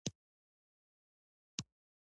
افغانستان د د کابل سیند کوربه دی.